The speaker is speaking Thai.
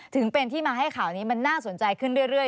ถึงเป็นที่มาให้ข่าวนี้มันน่าสนใจขึ้นเรื่อย